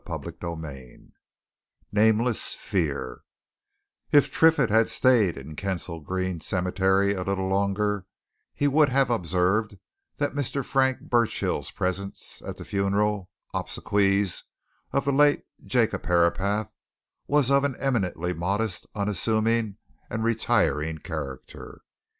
CHAPTER XVI NAMELESS FEAR If Triffitt had stayed in Kensal Green Cemetery a little longer, he would have observed that Mr. Frank Burchill's presence at the funeral obsequies of the late Jacob Herapath was of an eminently modest, unassuming, and retiring character.